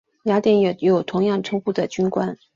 雅典也有同样称呼的军官。